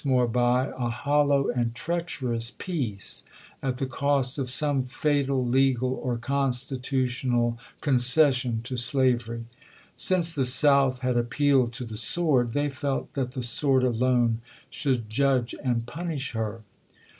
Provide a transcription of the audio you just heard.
more buy a hollow and treacherous peace at the cost of some fatal legal or constitutional concession to slavery. Since the South had appealed to the sword, they felt that the sword alone should judge and punish her.